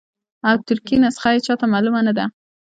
او ترکي نسخه یې چاته معلومه نه ده.